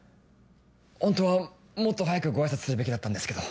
ホントはもっと早くご挨拶するべきだったんですけど。